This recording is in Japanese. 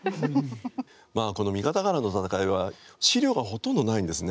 まあこの三方ヶ原の戦いは史料がほとんどないんですね。